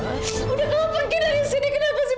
udah kamu pergi dari sini kenapa sih